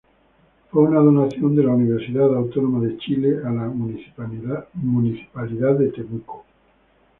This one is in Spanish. Fue una donación de la Universidad Autónoma de Chile a la Municipalidad de Temuco.